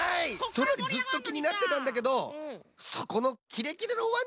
それよりずっときになってたんだけどそこのキレキレのワンちゃんだぁれ？